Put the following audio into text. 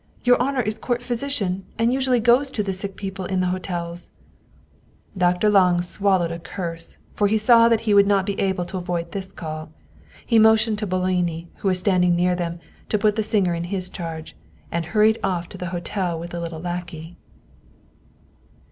Your honor is court physician, and usually goes to the sick people in the hotels." Dr. Lange swallowed a curse, for he saw that he would not be able to avoid this call. He motioned to Boloni, who was standing near them, put the singer in his charge, and hurried off to the hotel with the little lackey.